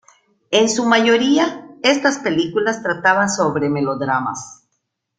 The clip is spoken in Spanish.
En su mayoría, estas películas trataban sobre melodramas.